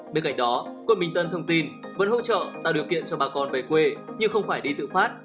bên cạnh đó quận bình tân thông tin vẫn hỗ trợ tạo điều kiện cho bà con về quê nhưng không phải đi tự phát